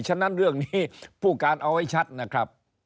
ฉะนั้นเรื่องนี้ผู้การเอาไว้ชัดนะครับ